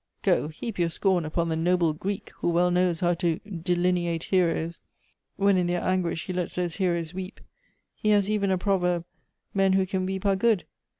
Go, heap your scorn upon the noble Greek, who well knows how to delineate heroes, when in their an guish he lets those heroes weep. He has even a proverb, ' Men who can weep are good.'